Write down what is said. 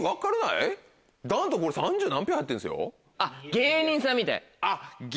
「芸人さんみたい」。